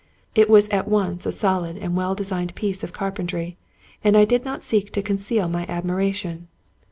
It was at once a solid and well de signed piece of carpentry ; and I did not seek to conceal my admiration.